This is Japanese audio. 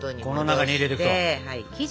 この中に入れると。